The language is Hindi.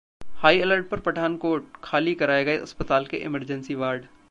हाई अलर्ट पर पठानकोट, खाली कराए गए अस्पताल के इमरजेंसी वार्ड